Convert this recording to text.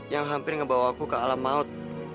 yang hampir ngebawa aku ke alam laut